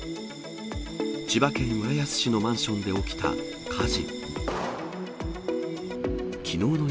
千葉県浦安市のマンションで起きた火事。